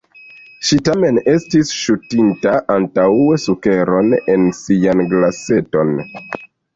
Ŝi tamen estis ŝutinta antaŭe sukeron en sian glaseton.